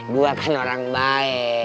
gue kan orang baik